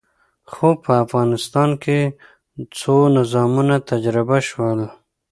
خو په افغانستان کې څو نظامونه تجربه شول.